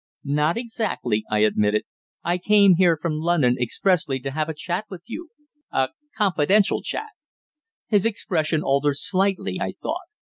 "Not exactly," I admitted. "I came here from London expressly to have a chat with you a confidential chat." His expression altered slightly, I thought.